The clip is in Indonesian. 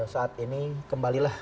saat ini kembalilah